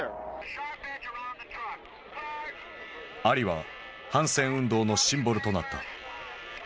アリは反戦運動のシンボルとなった。